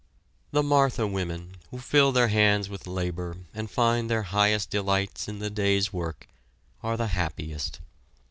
The Martha women, who fill their hands with labor and find their highest delights in the day's work, are the happiest.